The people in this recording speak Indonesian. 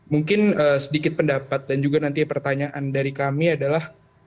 mungkin sedikit pendapat dan juga nanti pertanyaan dari kami adalah